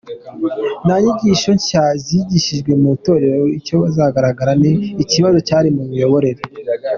Nta nyigisho nshya zinjijwe mu itorero, icyo bagaragaje ni ikibazo cyari mu miyoborere.